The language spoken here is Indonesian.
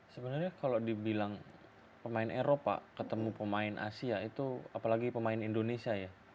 sebenarnya kalau dibilang pemain eropa ketemu pemain asia itu apalagi pemain indonesia ya